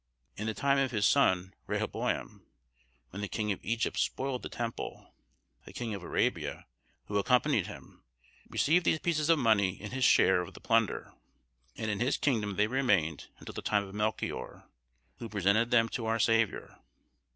In the time of his son Rehoboam, when the King of Egypt spoiled the temple, the King of Arabia, who accompanied him, received these pieces of money in his share of the plunder, and in his kingdom they remained until the time of Melchior, who presented them to our Saviour.